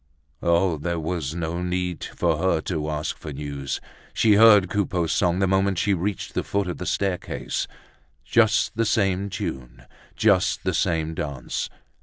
Oh! there was no need for her to ask for news. She heard Coupeau's song the moment she reached the foot of the staircase. Just the same tune, just the same dance.